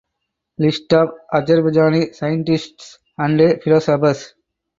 List of Azerbaijani scientists and philosophers